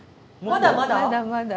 まだまだ。